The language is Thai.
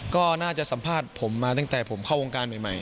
ก็น่าจะสัมภาษณ์ผมมาตั้งแต่ผมเข้าวงการใหม่